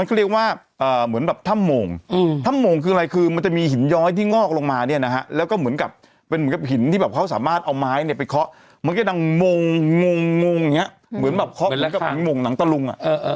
สามารถเอาไม้ไปเคาะเหมือนกับนางมงเหมือนเคาะเหมือนกับนางตะลุง